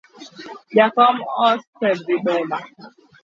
Jakom osedhi boma.